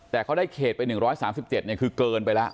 แต่เขาได้เขตไป๑๓๗คือเกินไปแล้ว